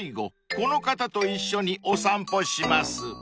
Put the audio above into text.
［この方と一緒にお散歩します］